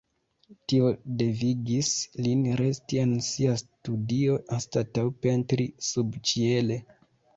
Tio devigis lin resti en sia studio anstataŭ pentri subĉiele.